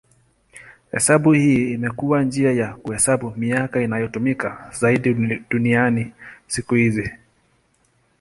Hesabu hii imekuwa njia ya kuhesabu miaka inayotumika zaidi duniani siku hizi.